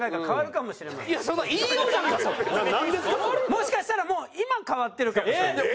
もしかしたらもう今変わってるかもしれない。